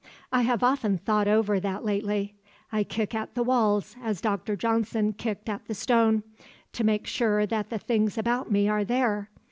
I have often thought over that lately. I kick at the walls as Dr. Johnson kicked at the stone, to make sure that the things about me are there.